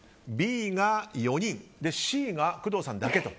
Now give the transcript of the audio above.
Ｂが４人、Ｃが工藤さんだけと。